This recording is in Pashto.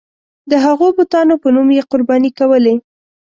د هغو بتانو په نوم یې قرباني کولې.